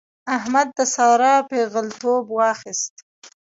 احمد د سارا پېغلتوب واخيست.